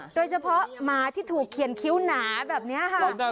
โดยเฉพาะหมาที่ถูกเขียนคิ้วหนาแบบนี้